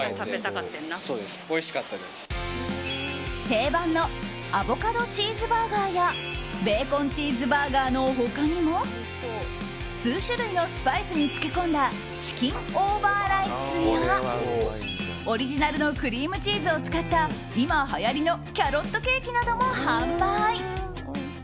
定番のアボカドチーズバーガーやベーコンチーズバーガーの他にも数種類のスパイスに漬け込んだチキンオーバーライスやオリジナルのクリームチーズを使った今、はやりのキャロットケーキなども販売。